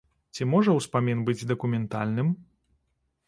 Ці можа ўспамін быць дакументальным?